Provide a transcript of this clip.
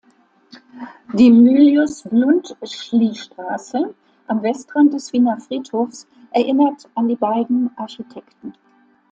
Die "Mylius-Bluntschli-Straße" am Westrand des Wiener Friedhofs erinnert an die beiden Architekten.